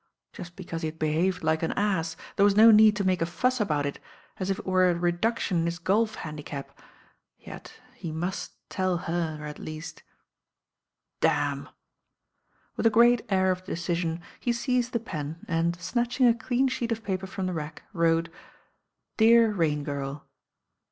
Just because he had behaved like an ass, there was no need to make a fuss about it, as if it were a reduction in his golf. handicap; yet he must tell her, at least "Damn I" With a great air of decision he seized the pen and, snatching a dean sheet of paper from the rack, wrote :—. "Dear Rain Girl."